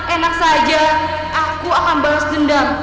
enak saja aku akan balas dendam